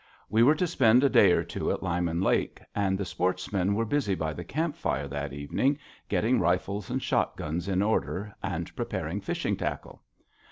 We were to spend a day or two at Lyman Lake, and the sportsmen were busy by the camp fire that evening, getting rifles and shotguns in order and preparing fishing tackle.